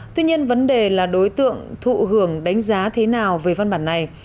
tuy nhiên vấn đề là đối tượng thụ hưởng đánh giá thế nào về văn bản này